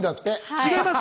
違います。